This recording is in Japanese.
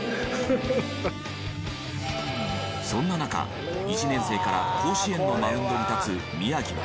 そんな中１年生から甲子園のマウンドに立つ宮城は。